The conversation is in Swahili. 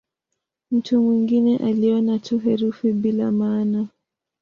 Mtu mwingine aliona tu herufi bila maana.